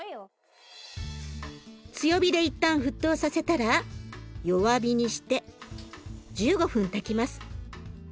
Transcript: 強火で一旦沸騰させたら弱火にして１５分炊きます。